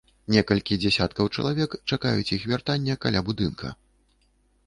Некалькі дзесяткаў чалавек чакаюць іх вяртання каля будынка.